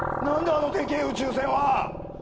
あのでけえ宇宙船は！